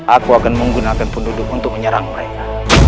aku akan menggunakan penduduk untuk menyerang mereka